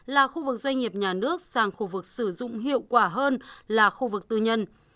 là khu vực doanh nghiệp nhà nước sang khu vực sử dụng hiệu quả hơn là khu vực tư nhân